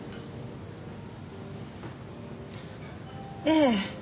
ええ。